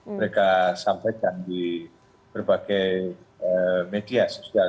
mereka sampaikan di berbagai media sosial